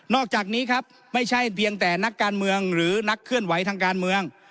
อกจากนี้ครับไม่ใช่เพียงแต่นักการเมืองหรือนักเคลื่อนไหวทางการเมือง